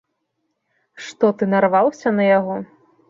Што, ты нарваўся на яго?